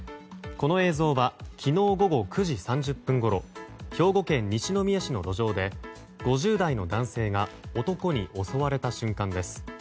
この映像は昨日午後９時３０分ごろ兵庫県西宮市の路上で５０代の男性が男に襲われた瞬間です。